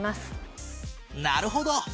なるほど！